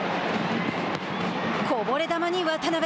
こぼれ球に渡邉。